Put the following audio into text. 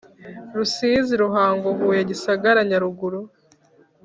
Rusizi ruhango huye gisagara nyaruguru